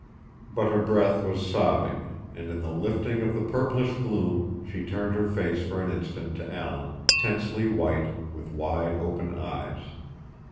But her breath was sobbing, and in the lifting of the purplish gloom she turned her face for an instant to Alan, tensely white, with wide open eyes.